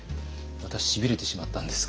私しびれてしまったんですが。